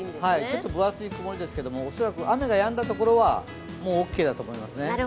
ちょっと分厚い曇りですけど恐らく雨がやんだところはオッケーだと思いますね。